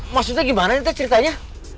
maksudnya gimana itu ceritanya